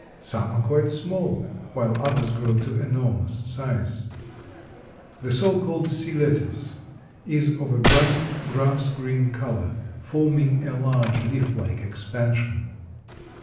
Some are quite small, while others grow to enormous size. The so called "sea lettuce" is of a bright grass green color, forming a large leaf like expansion.